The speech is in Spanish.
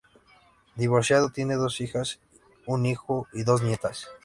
Divorciado, tiene dos hijas, un hijo y dos nietas.